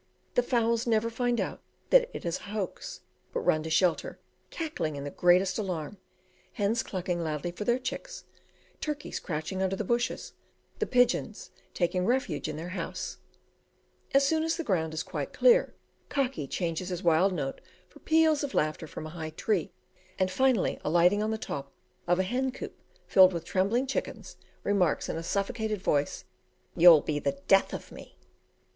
The fowls never find out that it is a hoax, but run to shelter, cackling in the greatest alarm hens clucking loudly for their chicks, turkeys crouching under the bushes, the pigeons taking refuge in their house; as soon as the ground is quite clear, Cocky changes his wild note for peals of laughter from a high tree, and finally alighting on the top of a hen coop filled with trembling chickens, remarks in a suffocated voice, "You'll be the death of me."